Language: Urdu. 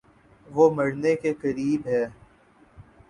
وہ مرنے کے قریب ہے